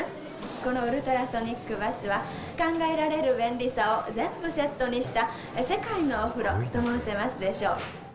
このウルトラソニックバスは、考えられる便利さを全部セットにした、世界のお風呂と申せますでしょう。